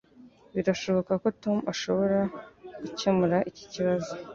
Birashoboka ko Tom ashobora gukemura iki kibazo.